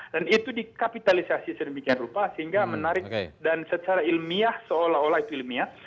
dan itu dikapitalisasi sedemikian rupa sehingga menarik dan secara ilmiah seolah olah itu ilmiah